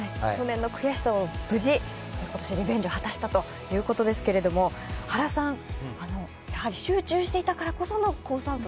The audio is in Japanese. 去年の悔しさを無事今年リベンジを果たしたということですけれども原さん、集中していたからこそのコース